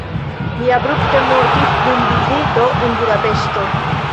Li abrupte mortis dum vizito en Budapeŝto.